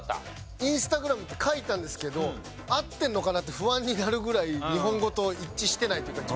インスタグラムって書いたんですけど合ってるのかなって不安になるぐらい日本語と一致してないっていうか自分の中で。